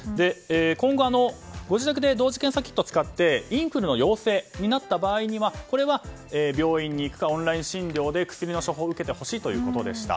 今後、ご自宅で同時検査キットを使ってインフルエンザの陽性になった場合にはこれは、病院に行くかオンライン診療で薬の処方を受けてほしいということでした。